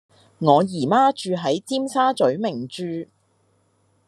我姨媽住喺尖沙嘴名鑄